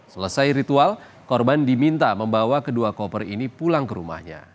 selesai ritual korban diminta membawa kedua koper ini pulang ke rumahnya